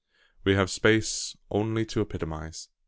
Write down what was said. We have space only to epitomise.